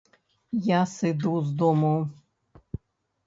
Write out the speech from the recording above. Я сыду з дому.